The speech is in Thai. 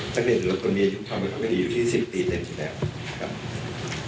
จากเด็กแต่ละคนมีอายุประมาทครับกดีอยู่ที่๑๐ปีเต็มอยู่แล้วครับ